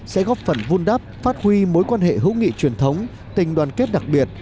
sẽ góp phần vun đắp phát huy mối quan hệ hữu nghị truyền thống tình đoàn kết đặc biệt